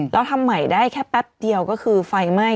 แล้วทำใหม่ได้แค่แป๊บเดียวก็คือไฟไหม้